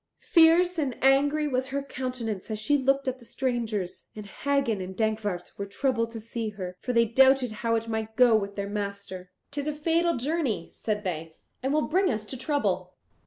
Fierce and angry was her countenance as she looked at the strangers, and Hagen and Dankwart were troubled to see her, for they doubted how it might go with their master. "'Tis a fatal journey," said they, "and will bring us to trouble."